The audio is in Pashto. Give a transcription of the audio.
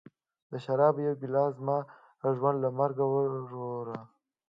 د شرابو یوه ګیلاس زما ژوند له مرګ وژغوره